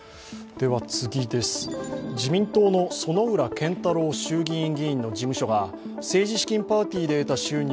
自民党の薗浦健太郎衆議院議員の事務所が政治資金パーティーで得た収入